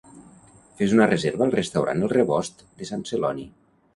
Fes una reserva al restaurant El Rebost de Sant Celoni.